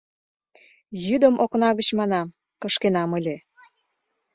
«Йӱдым, окна гыч, — манам, — кышкенам ыле».